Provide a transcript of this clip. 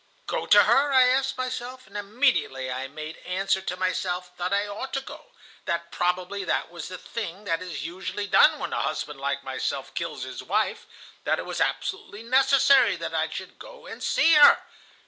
"'Go to her?' I asked myself; and immediately I made answer to myself that I ought to go, that probably that was the thing that is usually done when a husband like myself kills his wife, that it was absolutely necessary that I should go and see her.